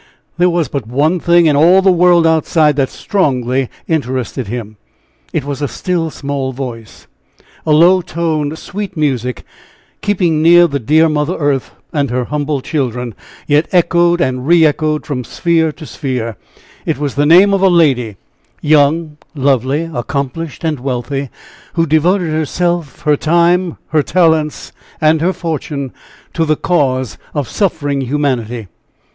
There was but one thing in all "the world outside" that strongly interested him it was a "still small voice," a low toned, sweet music, keeping near the dear mother earth and her humble children, yet echoed and re echoed from sphere to sphere it was the name of a lady, young, lovely, accomplished and wealthy, who devoted herself, her time, her talents and her fortune, to the cause of suffering humanity.